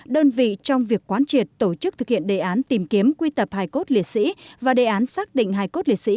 đơn vị trong việc quán triệt tổ chức thực hiện đề án tìm kiếm quy tập hài cốt liệt sĩ và đề án xác định hài cốt liệt sĩ